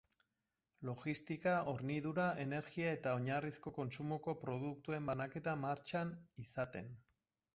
Logistika, hornidura, energia eta oinarrizko kontsumoko produktuen banaketa martxan izaten.